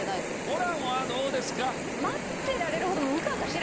ホランはどうですか？